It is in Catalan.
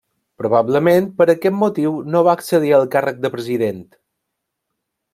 Probablement per aquest motiu no va accedir al càrrec de President.